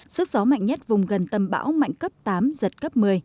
sức gió mạnh nhất vùng gần tâm bão mạnh cấp tám giật cấp một mươi